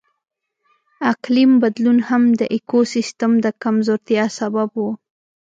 اقلیم بدلون هم د ایکوسیستم د کمزورتیا سبب و.